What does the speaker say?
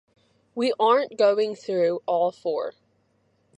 We aren't going through all four.